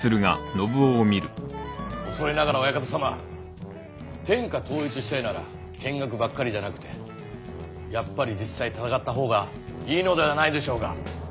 恐れながらオヤカタ様天下統一したいなら見学ばっかりじゃなくてやっぱり実際戦った方がいいのではないでしょうか。